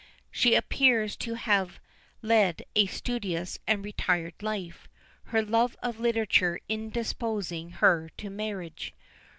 She appears to have led a studious and retired life, her love of literature indisposing her to marriage.